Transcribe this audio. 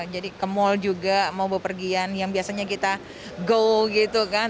jadi ke mall juga mau berpergian yang biasanya kita go gitu kan